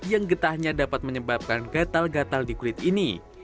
yang getahnya dapat menyebabkan gatal gatal di kulit ini